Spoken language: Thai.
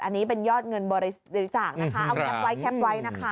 อันนี้เป็นยอดเงินบริจาคนะคะเอาแคปไว้แคปไว้นะคะ